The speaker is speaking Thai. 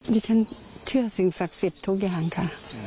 ดิฉันเชื่อสิ่งศักดิ์สิทธิ์ทุกอย่างค่ะ